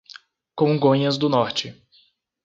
Congonhas do Norte